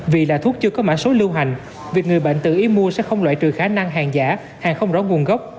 vì là thuốc chưa có mã số lưu hành việc người bệnh tự ý mua sẽ không loại trừ khả năng hàng giả hàng không rõ nguồn gốc